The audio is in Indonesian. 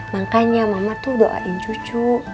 makanya mama tuh doain cucu